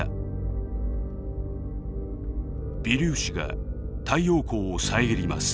微粒子が太陽光を遮ります。